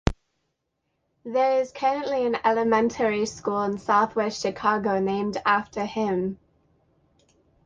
There is currently an elementary school in southwest Chicago named after him.